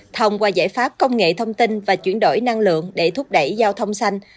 thông qua giải pháp công nghệ thông tin và chuyển đổi năng lượng để thúc đẩy giao thông xanh